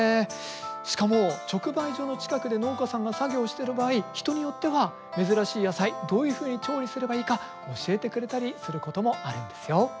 しかも直売所の近くで農家さんが作業してる場合人によっては珍しい野菜どういうふうに調理すればいいか教えてくれたりすることもあるんですよ。